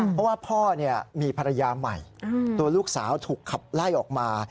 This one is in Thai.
เพราะว่าพ่อมีภรรยาใหม่ตัวลูกสาวถูกขับไล่ออกมา